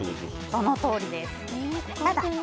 そのとおりです。